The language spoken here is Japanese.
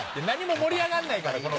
何も盛り上がんないから。